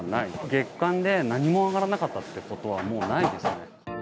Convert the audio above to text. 月間で何も上がらなかったってことはもうないですね。